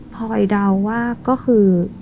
พอไอเดาว่าก็คือ